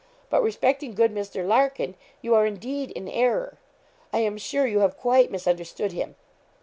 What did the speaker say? But respecting good Mr. Larkin, you are, indeed, in error; I am sure you have quite misunderstood him.